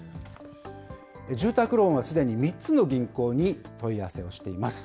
住宅ローンはすでに３つの銀行に問い合わせをしています。